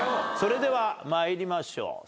それでは参りましょう。